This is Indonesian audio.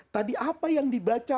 tadi apa yang dibaca